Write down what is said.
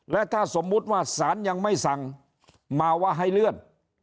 และถ้าสมมุติว่าสารยังไม่สั่งมาว่าให้เลื่อน